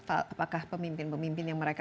apakah pemimpin pemimpin yang mereka